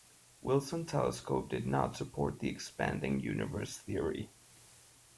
Wilson telescope did not support the expanding universe theory.